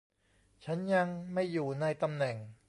ฉันยังไม่อยู่ในตำแหน่ง